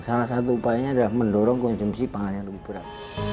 salah satu upayanya adalah mendorong konsumsi pangan yang lebih berat